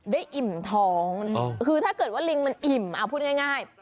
ได้อิ่มทองอ๋อคือถ้าเกิดว่าลิงมันอิ่มเอาพูดง่ายง่าย